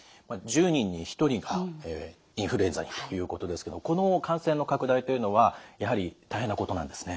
１０人に１人がインフルエンザにということですけどもこの感染の拡大というのはやはり大変なことなんですね。